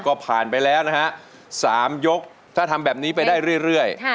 ก็ผ่านไปแล้วนะฮะ๓ยกถ้าทำแบบนี้ไปได้เรื่อย